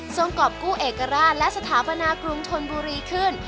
กรอบกู้เอกราชและสถาปนากรุงธนบุรีขึ้น